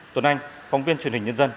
tuấn anh phóng viên truyền hình nhân dân